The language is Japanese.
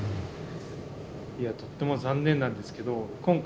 いやとっても残念なんですけど今回。